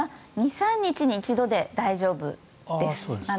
２３日に一度で大丈夫です。